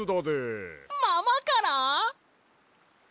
ママから？